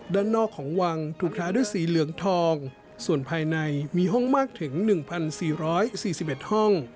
ด้านนอกของวังถูกท้าด้วยสีเหลืองทองส่วนภายในมีห้องมากถึง๑๔๔๑ห้อง